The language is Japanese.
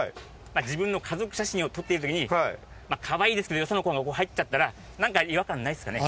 自分の家族写真を撮ってる時にまあかわいいですけどよその子が入っちゃったらなんか違和感ないですかね？